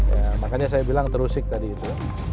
ya makanya saya bilang terusik tadi itu